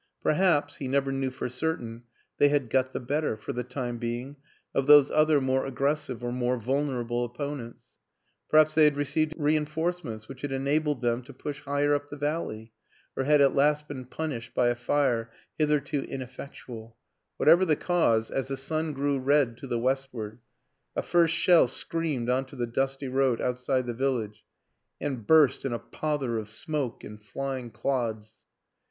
Perhaps (he never knew for certain) they had got the better, for the time being, of those other more aggres sive or more vulnerable opponents; perhaps they had received reinforcements which had enabled them to push higher up the valley or had at last been punished by a fire hitherto ineffectual; what ever the cause, as the sun grew red to the west ward, a first shell screamed on to the dusty road outside the village and burst in a pother of smoke and flying clods.